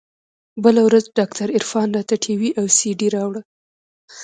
بله ورځ ډاکتر عرفان راته ټي وي او سي ډي راوړه.